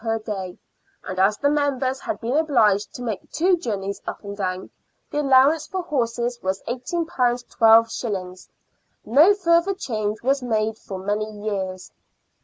per day, and as the Members had been obliged to make two journeys up and down, the allowance for horses was £18 12s. No VISIT OF DUKE OF NORFOLK. 47 further change was made for many years.